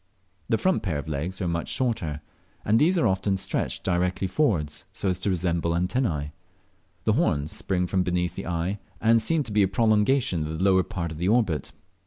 The front pair of legs are much shorter, and these are often stretched directly forwards, so as to resemble antenna. The horns spring from beneath the eye, and seem to be a prolongation of the lower part of the orbit.